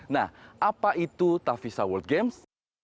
nah apa itu tavisa world games